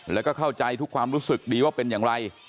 แล้วก็เข้าใจทุกความรู้สึกดีว่าเป็นอย่างไร